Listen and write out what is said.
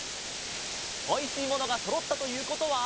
おいしいものがそろったということは。